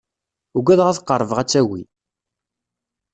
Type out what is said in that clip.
Ugadeɣ ad qerbeɣ ad tagi.